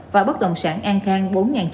và bất động sản an khang